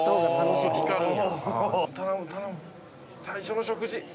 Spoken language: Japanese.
最初の食事。